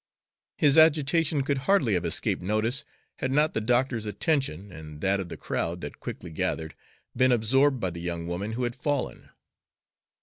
His agitation could hardly have escaped notice had not the doctor's attention, and that of the crowd that quickly gathered, been absorbed by the young woman who had fallen.